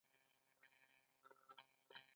جنرال کوفمان د پوځیانو لېږلو څخه معذرت غوښتی وو.